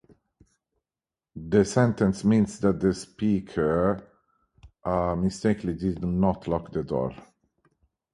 The sentence means that the speaker mistakenly did not lock the door.